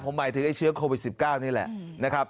ผมหมายถึงไอ้เชื้อโควิด๑๙นี่แหละนะครับ